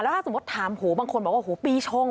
ถ้าสมมุติถามหูบางคนบอกว่าโอ้โหปีชง